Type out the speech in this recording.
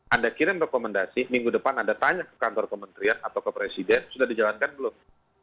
anda kirim rekomendasi minggu depan anda tanya ke kantor kementerian atau ke presiden sudah dijalankan belum